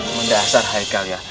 mendasar haikal ya